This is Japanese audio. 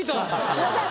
すみません。